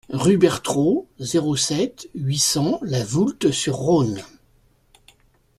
Rue Bertraud, zéro sept, huit cents La Voulte-sur-Rhône